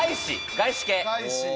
外資系。